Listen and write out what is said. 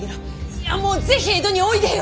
いやもうぜひ江戸においでよ！